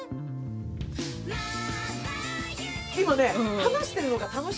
今ね話してるのが楽しくて。